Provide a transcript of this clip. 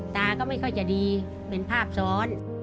ตาก็ไม่ค่อยจะดีเป็นภาพซ้อน